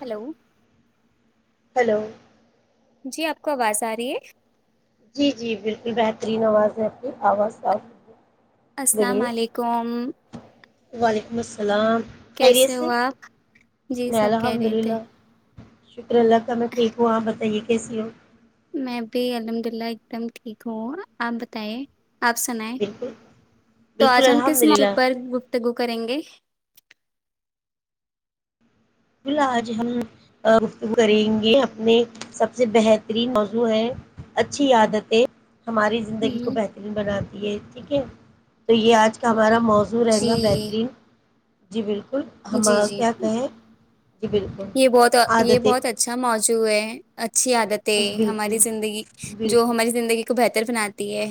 Hello hello جی آپ کو آواز آ رہی ہے جی جی بالکل بہترین آواز ہے آپ کی آواز صاف ہوی السلام علیکم وعلیکم السلام خیریت کیسے سے ہو آپ جی میں سب کہہ الحمد رہے تھے للہ شکر اللہ کا میں ٹھیک ہوں آپ بتائیے کیسی ہو میں بھی الحمد اللہ ایک دم ٹھیک ہوں آپ بتے آپ سنیں بالکل تو بالکل آج ہم الحمد کس للہ مپر گفتگو کریں گے بالکل آج ہم گفتگو کریں گے اپنے سب سے بہترین موضوع ہے اچھی عادتیں ہماری زندگی کو ہ بہترین بناتے ٹھیک ہے تو یہ آج کا ہمارا موزوں رہ جی گا بہترین جی بالکل بالکل ہم جی جی کیا کہیں جی بالکل یہ بہت یہ عادتیں بہت اچھا ما جو ہے اچھ اچھی عادتیں بالکل ہماری زندگی جو بالکل ہماری زندگی کو بہتر پتر بناتی ہے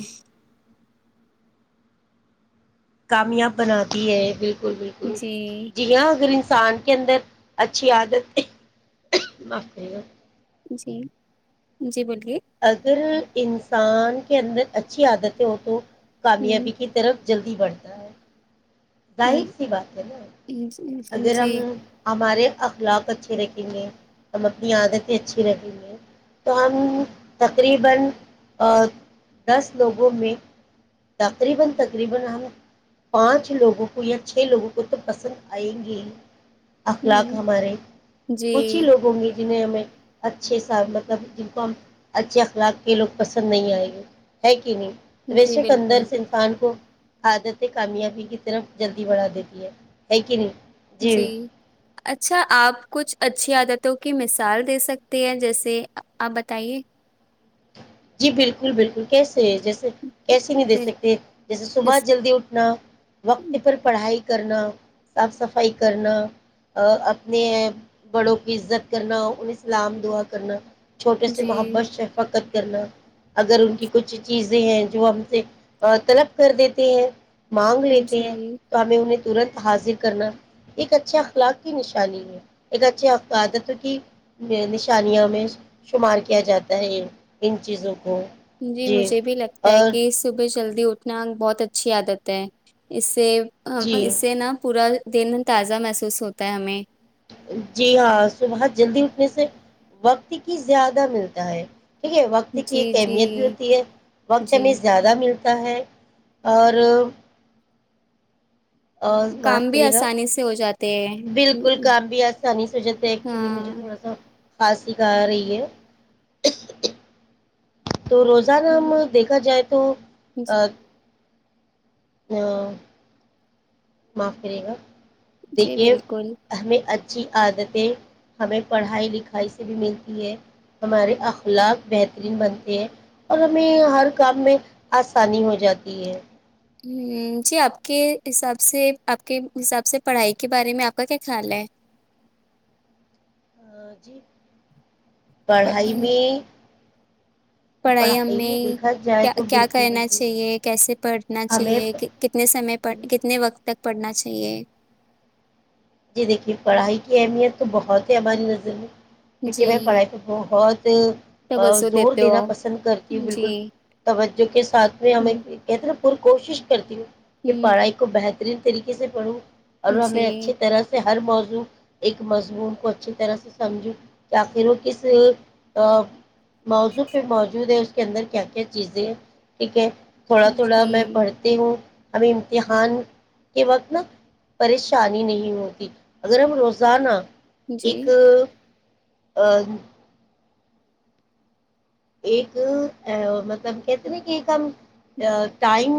کامیاب بناتی ہے بکل بالکل بالکل جی جی ہاں اگر اسان کے اندر اچھی عادت جی جی بولیے اگر انسان کے اندر اچھی عادتیں ہو تو ہ کامیابی کی طرف جلدی بڑھتا ہے ہ ظاہر سی بات ہے نا اگر ہم ہمارے اخلاق اچھے رکھیں گے ہم اپنی عادتیں اچھی لگ رہی ہیں تو ہم تقریبا دس لوگوں میں تقریبا تقریبا پانچ لوگوں کو یہ اچھے لوگوں کو تو پسند آاءی گی اخلاق ہمارے جی جی کچھ ہی لوگوں کی جنہیں ہمیں اچھے سا مطلب جن کو ہم اچھے اخلاق کے لوگ پسند نہیں آئیں گے ہے کہ نہیں جی بشک بالکل اندر سے انسان کو عادت کامیابی کس طرح جلدی بڑھا دیتی ہے لیکن جی اچھا آپ کچھ اچھی عادتوں کی مثال دے سکتے ہیں جیسے آپ بتائیے جی بالکل بالکل کیسے جیسے کیسے نہیں دے جی- سکتے جیسے صبح جس جلدی اٹھنا وقت پر پڑھائی کے کرنا صاف صفائی کرنا اپنے بڑوں کی عزت کرنا انہیں سلام دعا کرنا چھوٹے سے جی محبت شفاقت کرنا اگر ان کی کچھ چیزیں ہیں جو ہم سے طلب کر دیتے ہیں مانگ لیتے ہیں جی تو ہمیں انہیں ترنت حاضر کرنا ایک اچھے اخلاق کی نشانی ہے ایک اچھے عقادت کی نشانیاوں میں شمار کیا جاتا ہے یہ ان چیزوں کو جی مجھے بھی لگتا ہے اور کہ صبح جل دی اٹھنا بہت اچھی عادت ہے اس سے جی اس سے نا پورا دن تازہ محسوس ہوتا ہے ہمیں جی ہاں صبح جلدی اٹھنے سے وقت کی زیادہ ملتا ہے ٹھیک ہے وقت کی ایک جی جی اہمیت بھی ہوتی ہے وقت جی ہمیں زیادہ ملتا تا ہے اور اور معاف کام بھی کرے گا آسانی سے ہو جاتے ہیں بالکل کام بھی آسانی سے ہو جاتا ہے ایکچولی مجھے ہاں تھوڑا سا خاصی کر رہی ہے تو روزانہ میں دیکھا جائے تو معف کرے گا جی دیکھیے بالکل ہمیں اچھی عادتیں ہمیں پڑھائی لکھائی سے بھی ملتی ہے ہمارے اخلاق بہترین بنتے ہیں اور ہمیں ہر کام میں آسانی ہو جاتی ہے جی آپ کے حساب سے آپ کے حساب سے پڑھائی کے بارے میں آپ کا کیا خیال ہے آ، جی پڑھائی میں پڑھائی میں ہمیں دیکھا جائے تو کیا بالکل کرنا بالکل چاہیے کیسے پڑھنا ہمیں چاہیے کتنے سمے پ جی کتنے وقت تک پڑھنا چاہیے جی دیکھیے پڑھائی کی اہمیت تو بہت ہے ہماری نظر میں کیونکہ جی میں پڑھائی پہ بہت توجہ زور دیتے ہو دینا آپ؟ پسند کرتی ہوں بالکل جی توجہ جوک سات میں ہ ہمیں کہر اور کوشش کرتی ہوں کہ ہ پڑھاائی کو بہتر بہترین طریقے سے پڑھوں اور ہمیں جی اچھی طرح سے ہر موضوع ایک مضمون کو اچھی طرح سے سمجھو کہ آخر وہ کس موضوع پہ موجود ہے اس اندر کیا کیا چیزیں ہیں ٹھیک ہے تھوڑا تھوڑا میں جی پڑھتی ہوں ابھی امتحان کے وقت نا پریشانی نہیں ہوتی اگر ہم روزانہ جی ایک ا [inaudible] ایک مطلب کہتے ن کہ ایک ہم ٹائم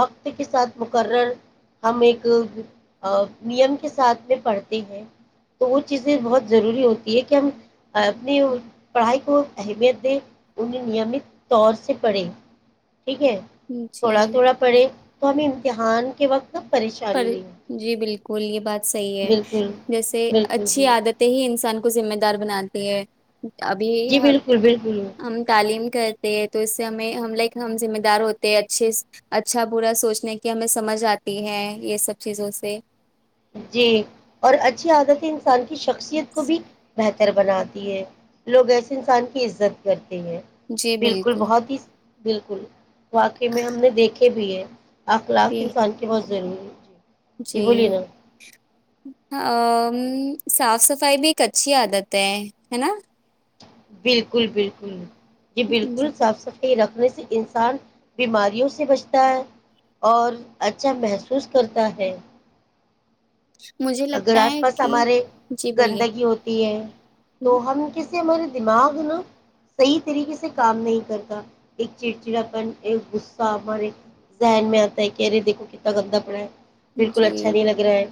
وقت کے ساتھ مقرر ہم ایک نیم کے ساتھ میں پڑھتے ہیں تو وہ چیزیں بہت ضروری ہوتی ہے کہ ہم اپنی پڑھائی کو اہمیت دیں انہیں نیمت طور سے پڑے ٹھیک ہے جی تھوڑا تھوڑا پڑھیں تو ہم امتحان کے وقت نا پر پریشانی نہیں ہوتی جی بالکل یہ بات صحیح ہے بالکل جیسے بالکل اچھی جی عادتیں ہی انسان کو کو ذمہ دار بناتی ہے ابھی جی بالکل بالکل ہم تعلیم کرتے ہیں تو اس سے ہمیں ہم لائک ہم ذمہ دار ہوتے ہیں اچھے اچھا برا سوچنے کی ہمیں سمجھ آتی ہے یہ سب چیزوں سے جی اور اچھی عادتیں انسان کی شخصیت کو بھی بہتر بناتی ہے لوگ ایسے انسان کی عزت کرتے بالکل بہت ہی بالکل واقع میں ہم نے دیکھے بھی ہے آخ لاکھ جی انسان کی مو ضروری جی جی بولیے نا صاف صفائی بھی ایک اچھی عادت ہے ہے نا بالکل بالکل جی بالکل صاف سف رکھنے سے انسان بیماریوں سے بچتا ہے اور اچھا محسوس کرتا ہے مجھے اگر لگتا آس ہے پاس کہ ہمارے جی بولیے گندگی ہوتی ہے تو ہم کس م [inaudible] دماغ نا صحیح طریقے سے کام نہیں کرتا ایک چڑچڑاپن ایک غصہ ہمارے ذہن میں آتا ہے کہ ارے دیکھو کتنا گندا پڑا ہے بالکل اچھا جی نہیں لگ رہا ہے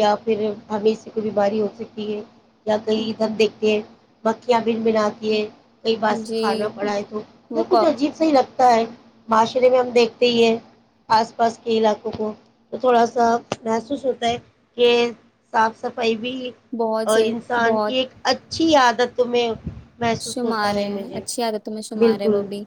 یا پھر ہمییں اس سے کوئی بیماری ہو سکتی ہے یا کہیں ادھر دیکھ کے بت [inaudible] مکھیاں بن بھناتی ہے کئی باسی جی کھانا پڑا ہے تو جب وہ کچھ کو- عجیب سا لگتا معاشرے میں ہم دیکھتے ہی ہیں آس پاس کے علاقوں کو تو تھوڑا سا محسوس ہوتا ہے کہ صاف صفائی بھی بہت ضر- انسان بہت کی ایک اچ اچھی آدت تمیں شمار ہے اچھی عادتوں میں شمار ہے بالکل وہ بھی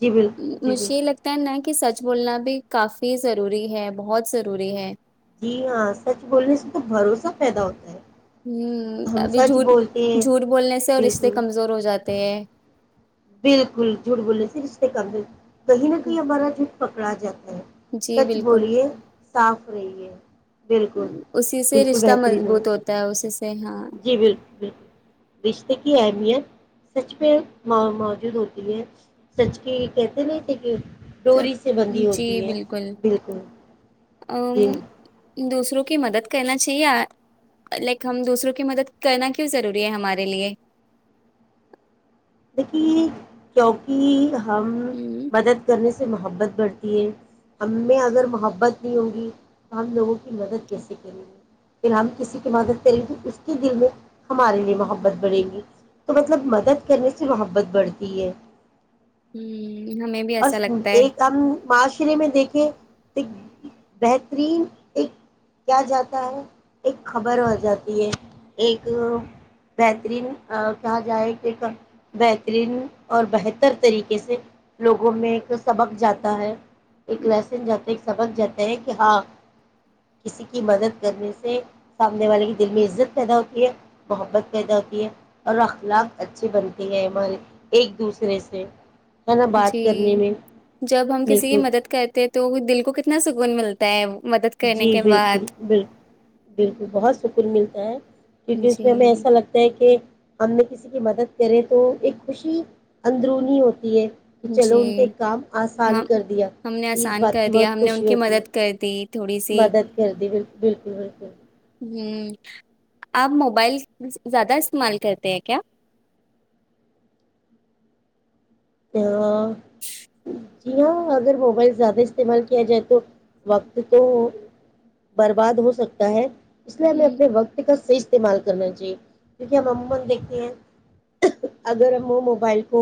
جی بالکل جی مجھے یہ بالکل لگتا ہے ن کہ سچ بولنا بھی کافی ضروری ہے بہت ضروری ہے جی ہاں سچ بولنے سے تو بھروسہ پیدا ہوتا ہے ہ ہم ابھی سچ جھوٹ بولتے ہیں جھوٹ بولنے سے اور رشتے بالکل کمزور ہو جاتے ہیں بالکل جھوٹ بولنے سے رشتے کمزور ہو جاتے ہیں کہیں نہ کہیں ہمارا جو پکڑا جاتا جی سچ بالکل بولیے صاف رہیے بالکل اسی سے بالکل رشتہ بہترین ہے مضبوط ہوتا اسی سے ہاں جی بالکل بالکل رشتے کی اہمیت سچ پہ ماں موجود ہوتی ہے سچ کی کہتے نہیں تھے کہ سر، ڈوری سے بندھی ہوتی ہے بالکل جی ام، دوسروں کی مدد کرنا چاہیے لیکن ہم دوسروں کی مدد کرنا کیوں ضروری ہے ہمارے لیے کی کیوںکہ ہم ہ مدد کرنے سے سے محبت بڑھتی ہے ہم میں اگر محبت نہیں ہوگی تو ہم لوگوں کی مدد کیسے کریں گے پھر ہم کسی کی مدد کریں گے تو اس کے دل میں ہمارے لیے محبت بڑھیں گی تو مطلب مدد کرنے سے محبت بڑھتی ہے ہوں ہمیں بھی ایسا اور لگتا ہے ایک ہم معاشرے میں دیکھے ایک بہترین ایک کیا جاتا ہے ایک خبر ہو جاتی ہے ایک بہترین کہا جائے کہ بہترین اور بہتر طریقے سے لوگوں میں ایک سبق جاتا ہے ایک لہسن جب سمجھ جاتا ہے کہ ہاں کسی کی مدد کرنے سے سامنے والے کے دل میں عزت پیدا ہوتی ہے محبت پیدا ہوتی ہے اور اخلاق اچھھی بنتی ہے ہماری ایک دوسرے سے ہے نا بات کرنے جی میں جب ہم کسی کی بالکل مدد کرتے تو دل کو کتنا سکھ کون ملتا ہے مدد جی کرنے کے بالکل بعد بالکل بہت سکون ملتا ہے کیونکہ اس میں ہمیں جی ایسا لگتا ہے کہ ہم نے کسی کی مدد کرے تو ایک خوشی اندرونی ہوتی ہے کہ چلو ان کے جی کام آسان ہم کر دیا ہم نے تو اس آسان بات کر کی دیا ہم بہت نے ان خوشی کی ہوتی ہے مدد کر دی تھوڑی سی مدد کر دی بالکل بالکل بالکل ہوں آپ موبائل زیادہ استعمال کرتے ہیں کیا او جی ہاں اگر موبائل زیادہ استعمال کیا جائے تو وقت تو برباد ہو سکتا ہے اس لیے ہمیں ہوں، اپنے وقت کا صحیح استعمال کرنا چاہیے کیونکہ ہم عمومادیکھتے ہیں اگر ہم وہ موبائل کو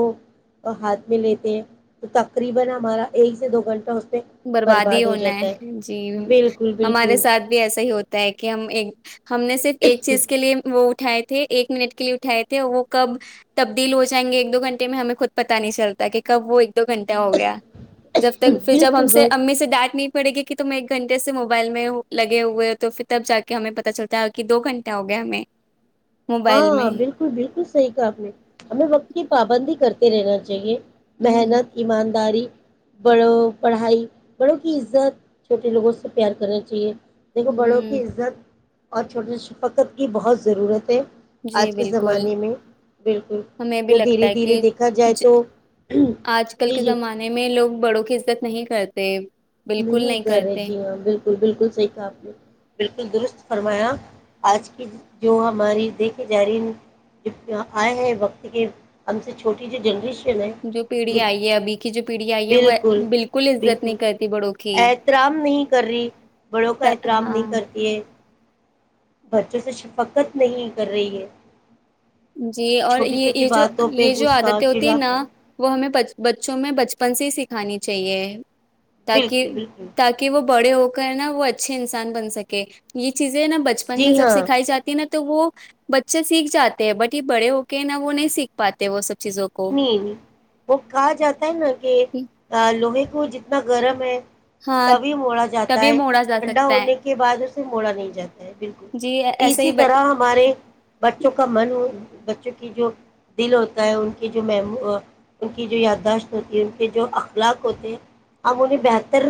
اور ہاتھ میں لیتے ہیں تو تقریبا ہمارا ایک سے دو گھنٹہ ہو پہ برباد ہی ہونا جاتا ہے جی بالکل ہمارے بالکل ساتھ بھی ایسا ہی ہوتا ہے کہ ہم ایک ہم نے صرف ایک چیز کے لیے منہ اٹھائے تھے ایک منٹ کے لیے اٹھائے تھے اور وہ کب تبدیل ہو جائیں گے ایک دو گھنٹے میں ہمیں خود پتا نہیں چلتا کہ کب وہ دو گھنٹہ ہو گیا جب تک پھر ہم بالکل سے بس امی سے ڈاٹ نہیں پڑے گی کہ تم ایک گھنٹے سے موبائل میں لگے ہوئے ہو تو پھر تب جا کے ہمیں پتاچلتا ہے کہ دو گھنٹہ ہو گیا ہمیں موبائل ہاں میں بالکل بالکل صحیح کہا آپ نے ہمیں وقت کی پابندی کرتے تیرے رات جگے محنت ایماندار داری بڑوں پڑھائی بڑوں کی عزت چھوٹے لوگوں سے پیار کرنا چاہیے دیکھو بڑوں کی ہوں عزت اور چھوٹے شفقت کی بہت ضرورت ہے جی آج کے بالکل زمانے میں بالکل ہمیں بھی جو لگتا دھیرے ہے دھیرے کہ دیکھا جائے تو آج کل جی کے جی زمانے میں لوگ بڑوں کی عزت نہیں کرتے بالکل نہیں کر رہے کرتے جی ہاں بالکل بالکل صحیح کہا آپ نے بالکل درست فرمایا آج کی جو ہماری دیکھی جا رہی آئے ہیں وقت کے ہم سے چھوٹی جو جنریش جو پیڑھی آئی ہے ابھی کی جو پیڑھی آئی ہے وہ بالکل عزت نہیں کرتی بڑوں کی احترام نہیں کر رہی بڑوں کا س- احترام نہیں ہاں کرتی ہے بچوں سے شفقت نہیں کر رہی ہے جی اور چھوٹی یہ چھوٹی یہ جو باتوں پہ یہ جو غصہ عادتیں ہوتی ہیں نا چڑاپن وہ ہمیں بچوں میں بچ پن سے سکھانی چاہیے بالکل تاکہ بالکل تاکہ وہ بڑے ہو وہ اچھے انسان بن سکے یہ چیز نا بچپن میں جی جب ہاں سکھائی جاتی ہے نا تو تو وہ بچہ سیکھ جاتا بٹ یہ بڑے ہو کے نا وہ نہیں سیکھ پاتے وہ سب چیزوں کو نہیں نہیں وہ کہا جاتا ہے نا کہ لوہے وہ جتنا گرم ہے ہاں تبھی موڑا جاتا تبھی ہے موڑا جا ٹھنڈا سکتا ہے ہونے کے بعد اس مڑا نہیں جات بالکل جی تو ایسے اسی ہی ب- طرح ہمارے بچوں کا من بچوں کی جو دل ہوتا ہے ان ان کی جو یاداشت ہوتی ہے ان کے جو اخلاق ہوتے ہیں ہم انہیں بہتر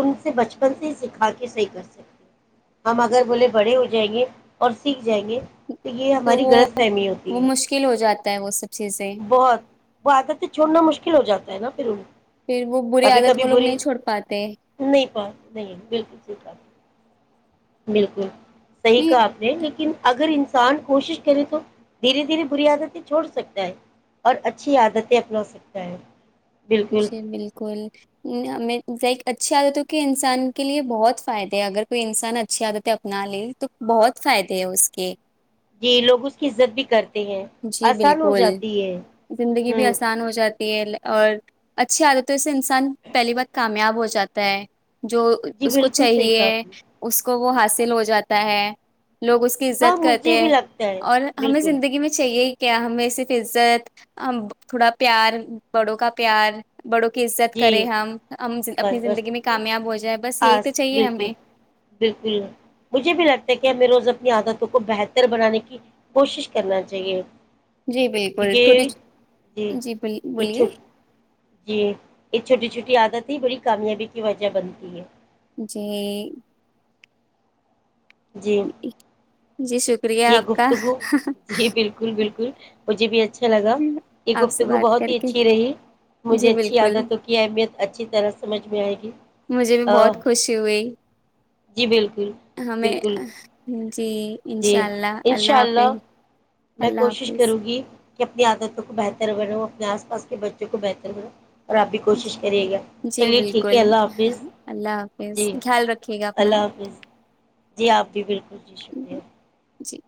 ان سے بچپن سے ہی سکھا کے صحیح کر سکتے ہم اگر بولے بڑے ہو جائیں گے اور سیکھ جائیں گے تو یہ ہماری غلط فہمی وہ ہوتی ہے مشکل [inaudible] بہت وہ آتا تھ چھوڑنا مشکل ہو جا ہے نا پھر وہ پھر وہ [unintelligible] بری کبھی عادت کبھی وہ لوگ بری نہیں چھوڑ پاتے نہیں نہیں بالکل سی بالکل صحیح نہیں کہا آپ نے لیکن اگر انسان کوشش کرے تو دھیرے دھیرے بری عادتیں چھوڑ سکتا ہے اور اچھی عادتیں اپنا سکتا ہے بالکل جی بالکل میں اچھی عادتوں کے انسان کے لیے بہت فائدے ہے اگر کوئی انسان اچھی عادتیں اپنا لے تو بہت فائدے ہے اس کے جی لوگ اس کی عزت بھی کرتے ہیں جی آسان ہو بالکل جاتی ہے زندگی بھی ہوں آسان ہو جاتی ہے اور اچھی عادت ہے سے انسان پہلی بار کامیاب ہو جاتا ہے جو جی اس کو بالکل صحیح چاہیے کہا اس آپ نے اس کو وہ حاصل ہو جاتا ہے لوگ اس کی ہاں عزت مجھے کرتے بھی ہیں لگتا ہے اور ہمیں بالکل زندگی میں چاہیے ہی کیا ہمیں صرف عزت تھوڑا پیار بڑوں کا پیار بڑوں کی عزت کرے جی ہم ہم اپنی بس بس زندگی میں کامیاب ہو جائے بس یہی تو آس چاہیے بالکل ہمیں بالکل مجھے بھی لگتا ہے کہ ہمیں روز اپنی عادتوں کو بہتر بنانے کی کوشش کرنا چاہیے جی بالکل چھوٹی کیونکہ جی یہ بولیے چھوٹ جی یہ چھوٹی چھوٹی عادتیں بڑی کامیابی کی وجہ بنتی ہے جی جی جی سو [inaudible] شکریہ یہ آپ کا گفتگو جی بالکل بالکل مجھے اچھا لگا یہ آپ سے گفتگو بات بہت کر ہی کے اچھی رہی مجھے جی اچھی بالکل عادت ہو کی اہمیت اچھی طرح سمجھ میں آئے گی مجھے بھی بہت خوشی ہوئی جی بالکل ہمیں بالکل جی جی انشاء اللہ ان اللہ شاء حافظ میں اللہ کوشش حافظ کروں گی کہ اپنی عادتوں کو بہتر بنو اپنے آس پاس کے بچوں کو بہتر بناؤ اور آپ بھی کوشش کریے گا جی چلیے ٹھیک ہے بالکل اللہ حافظ اللہ حافظ جی خیال رکھیے گا اپنا اللہ حافظ جی آپ بھی بالکل جی شکریہ جی